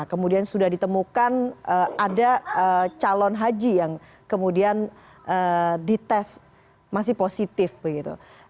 kemudian sudah ditemukan ada calon haji yang kemudian dites masih positif begitu